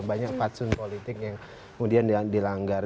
banyak fatsun politik yang kemudian dilanggar